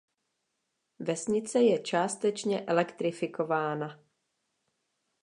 Vesnice je částečně elektrifikována.